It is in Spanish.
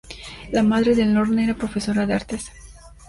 La madre de Lorne era profesora de artes.